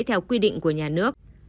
theo quy định của nhà nước